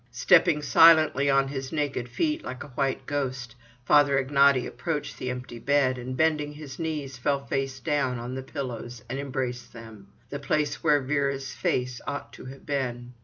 Stepping silently on his naked feet, like a white ghost, Father Ignaty approached the empty bed, and bending his knees fell face down on the pillows, and embraced them—the place where Vera's face ought to have been.